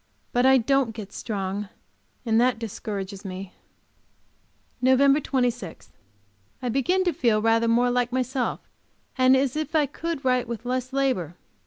But I don't get strong, and that discourages me. Nov. 26. I begin to feel rather more like myself, and as if I could write with less labor.